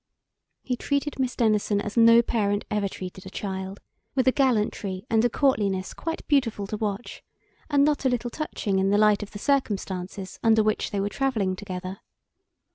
He treated Miss Denison as no parent ever treated a child, with a gallantry and a courtliness quite beautiful to watch, and not a little touching in the light of the circumstances under which they were travelling together.